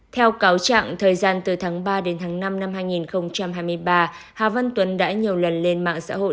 theo cáo trạng thời gian từ tháng ba đến tháng năm năm hai nghìn hai mươi ba hà văn tuấn đã nhiều lần lên mạng xã hội